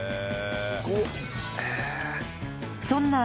すごっ！